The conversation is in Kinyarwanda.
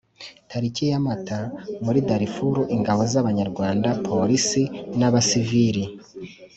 Tariki ya Mata Muri Darfur ingabo z Abanyarwanda Polisi n abasiviri